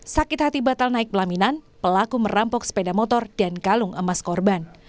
sakit hati batal naik pelaminan pelaku merampok sepeda motor dan kalung emas korban